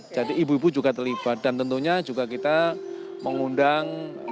jadi ibu ibu juga terlibat dan tentunya juga kita mengundang